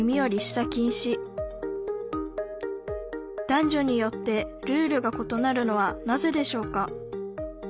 男女によってルールがことなるのはなぜでしょうか？